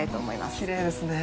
きれいですね。